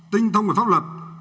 tinh thông về pháp luật